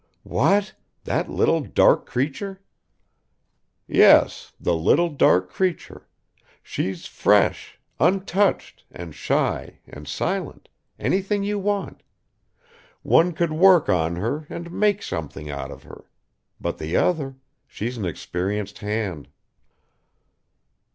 "What? That little dark creature?" "Yes, the little dark creature she's fresh, untouched and shy and silent, anything you want ... one could work on her and make something out of her but the other she's an experienced hand."